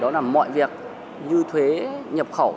đó là mọi việc như thuế nhập khẩu